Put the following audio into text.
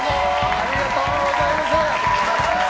ありがとうございます！